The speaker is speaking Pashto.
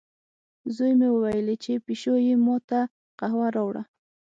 زوی مې وویلې، چې پیشو یې ما ته قهوه راوړه.